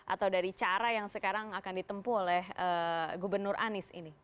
atau dari cara yang sekarang akan ditempuh oleh gubernur anies ini